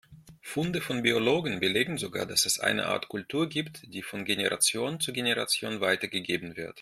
Funde von Biologen belegen sogar, dass es eine Art Kultur gibt, die von Generation zu Generation weitergegeben wird.